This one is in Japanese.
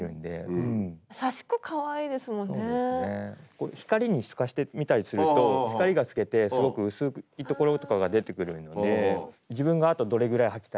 こう光に透かして見たりすると光が透けてすごく薄い所とかが出てくるので自分があとどれぐらいはきたいかとか。